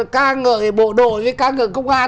ca ngợi bộ đội với ca ngợi công an